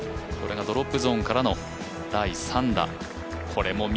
これがドロップゾーンからの第３打。